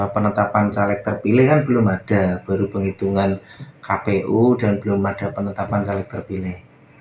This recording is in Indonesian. penetapan caleg terpilih kan belum ada baru penghitungan kpu dan belum ada penetapan caleg terpilih